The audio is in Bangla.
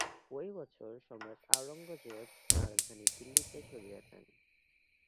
ঐ বছর সম্রাট আওরঙ্গজেব রাজধানী দিল্লীতে সরিয়ে নেন।